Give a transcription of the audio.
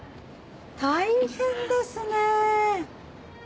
大変ですね。